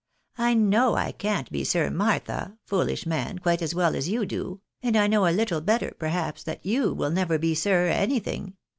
I know I can't be Sir Martha, fooHsh man, quite as well as you do, and I know a little better, perhaps, that you will never be Sir anything.